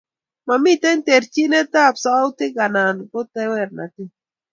Momitei terchinet ak sautik anan ko tewernatet